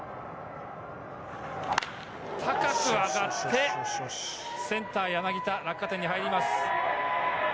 高く上がって、センター・柳田、落下点に入ります。